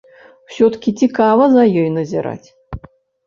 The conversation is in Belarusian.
Усё-ткі цікава за ёй назіраць.